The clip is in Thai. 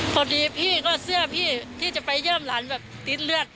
พอดีพี่ก็เสื้อพี่ที่จะไปเยี่ยมหลานแบบติดเลือด